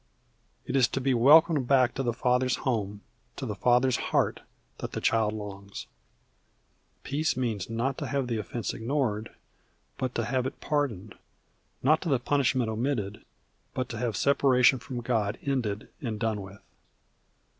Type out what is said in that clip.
It is to be welcomed back to the father's home, to the father's heart, that the child longs. Peace means not to have the offense ignored, but to have it pardoned: not to the punishment omitted, but to have separation from God ended and done with.